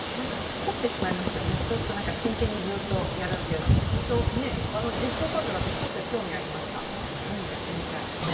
凝ってしまいますよね、そうすると真剣にずっとやるというのも、ジクゾーパズルは私、ちょっと興味がありました、やってみたい。